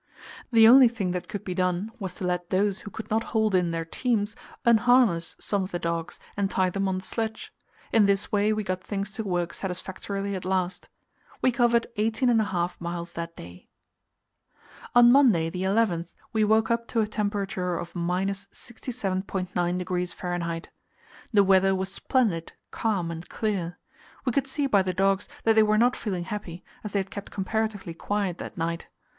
The only thing that could be done was to let those who could not hold in their teams unharness some of the dogs and tie them on the sledge. In this way we got things to work satisfactorily at last. We covered eighteen and a half miles that day. On Monday, the 11th, we woke up to a temperature of 67.9° F. The weather was splendid, calm, and clear. We could see by the dogs that they were not feeling happy, as they had kept comparatively quiet that night.